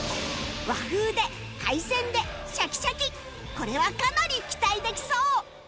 これはかなり期待できそう！